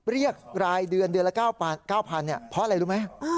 เรียกรายเดือนเดือนละ๙๐๐บาทเพราะอะไรรู้ไหม